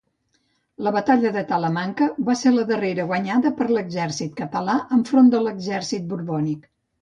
La batalla de Talamanca va ser la darrera guanyada per l'exèrcit català enfront l'exèrcit borbònic.